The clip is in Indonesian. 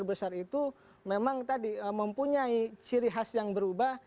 yang terbesar itu memang mempunyai ciri khas yang berubah